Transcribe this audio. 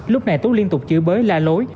lúc này tú liên tục chữ bới la lối